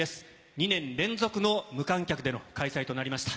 ２年連続の無観客での開催となりました。